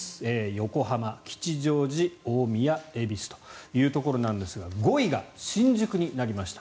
横浜、吉祥寺、大宮、恵比寿というところなんですが５位が新宿になりました。